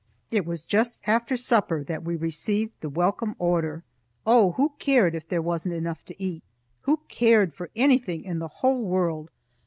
It was just after supper that we received the welcome order. Oh, who cared if there wasn't enough to eat? Who cared for anything in the whole world?